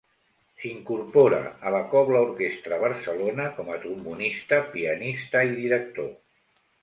S'incorpora a la cobla-orquestra Barcelona com a trombonista, pianista i director.